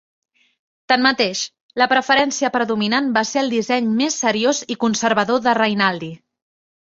Tanmateix, la preferència predominant va ser el disseny més seriós i conservador de Rainaldi.